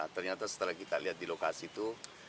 ternyata setelah kita lihat di lokasi itu